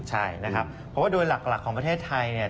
ใช่นะครับเพราะว่าโดยหลักของประเทศไทยเนี่ย